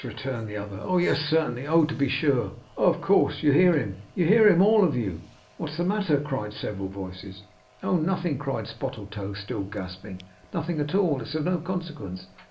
returned the other; 'oh yes, certainly! Oh to be sure! Oh, of course! You hear him? You hear him? all of you!' 'What's the matter?' cried several voices. 'Oh nothing!' cried Spottletoe, still gasping. 'Nothing at all! It's of no consequence!